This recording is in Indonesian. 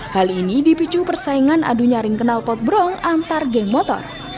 hal ini dipicu persaingan adu nyaring kenal potbrong antar geng motor